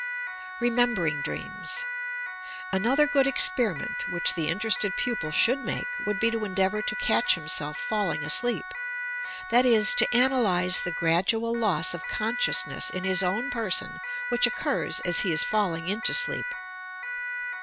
EEUEMBEBINO DREAMS Another good experiment, which the interested pupil should make, would be to endeavour to catch himself falling asleep, that is, to analyse the gradual loss of consciousness in his own person which occurs as be is 140 TOUH PSYCHIC POWERS falling into sleep.